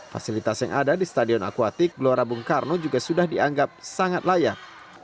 fasilitas yang ada di stadion akuatik gelora bung karno juga sudah dianggap sangat layak